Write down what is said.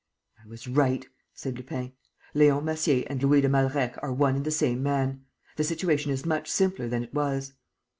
"I was right," said Lupin. "Leon Massier and Louis de Malreich are one and the same man. The situation is much simpler than it was."